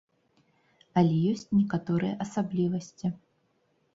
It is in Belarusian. Але ёсць некаторыя асаблівасці.